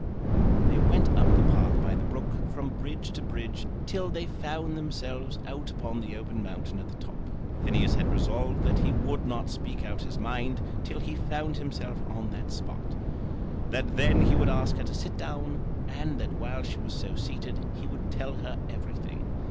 They went up the path by the brook, from bridge to bridge, till they found themselves out upon the open mountain at the top. Phineas had resolved that he would not speak out his mind till he found himself on that spot; that then he would ask her to sit down, and that while she was so seated he would tell her everything.